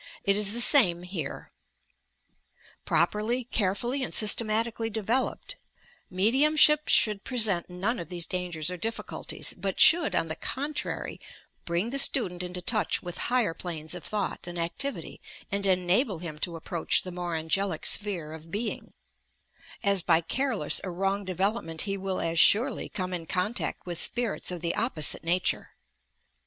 It is the same here. Properly, carefully and lE^ystematicaliy developed, medJumship should present 214 YOUR PSYCHIC POWERS none of these dangers or diffienltieSy bat should, on the contrary, bring the student into touch with higher planes of thought and activity and enable him to ap proach the more angelic sphere of being, as by careless or wrong development he will as surely come in contact with spirits of the opposite nature.